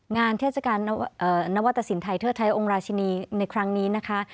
เทศกาลนวัตตสินไทยเทิดไทยองค์ราชินีในครั้งนี้นะคะ